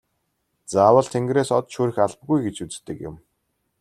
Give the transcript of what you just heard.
Заавал тэнгэрээс од шүүрэх албагүй гэж үздэг юм.